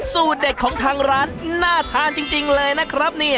สูตรเด็ดของทางร้านน่าทานจริงเลยนะครับเนี่ย